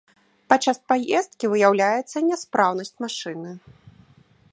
Падчас паездкі выяўляецца няспраўнасць машыны.